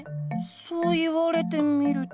そう言われてみると。